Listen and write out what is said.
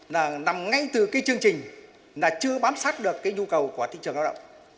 là nằm ngay từ chương trình chưa bám sát được nhu cầu của thị trường lao động